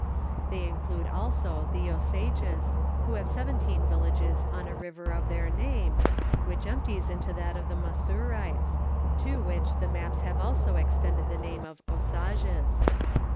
They include also the Osages who have seventeen villages on a river of their name, which empties into that of the Massou rites, to which the maps have also extended the name of Osages.